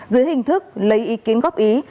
dưới hình thức lấy ý kiến góp ý